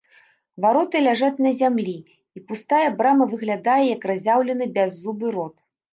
Вароты ляжаць на зямлі, і пустая брама выглядае, як разяўлены бяззубы рот.